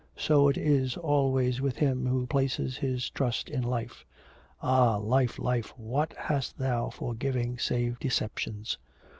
so is it always with him who places his trust in life. Ah, life, life, what hast thou for giving save deceptions?